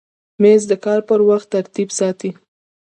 مېز د کار پر وخت ترتیب ساتي.